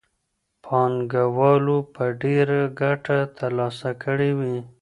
پانګوالو به ډېره ګټه ترلاسه کړې وي.